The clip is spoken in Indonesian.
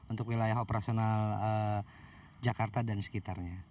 untuk wilayah operasional jakarta dan sekitarnya